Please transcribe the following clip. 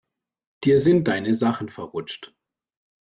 Dir sind deine Sachen verrutscht.